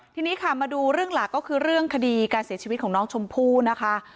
ทีนี้ค่ะมาดูเรื่องหลักก็คือเรื่องคดีการเสียชีวิตของน้องชมพู่นะคะ